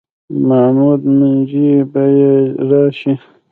موعود منجي به یې راشي.